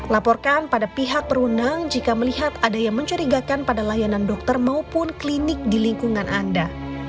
laporkan pada pihak perundang jika melihat ada yang mencurigakan pada layanan dokter maupun klinik di lingkungan anda